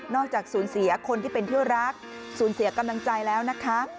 จากสูญเสียคนที่เป็นเที่ยวรักสูญเสียกำลังใจแล้วนะคะ